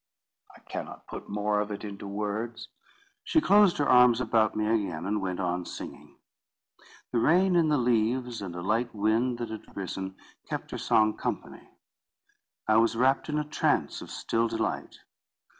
I cannot put more of it into words. She closed her arms about me again, and went on singing. The rain in the leaves, and a light wind that had arisen, kept her song company. I was wrapt in a trance of still delight.